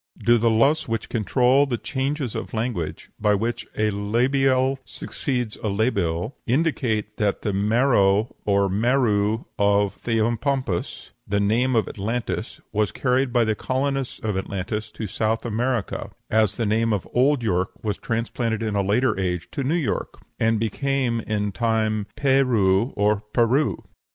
Do the laws which control the changes of language, by which a labial succeeds a labial, indicate that the Mero or Merou of Theopompus, the name of Atlantis, was carried by the colonists of Atlantis to South America (as the name of old York was transplanted in a later age to New York), and became in time Pérou or Peru?